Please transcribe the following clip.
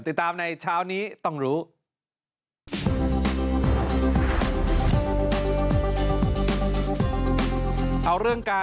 ติดตามในเช้านี้ต้องรู้